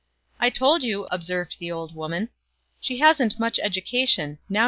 " I told you," observed the old woman, " she hadn't much education ; now you see it.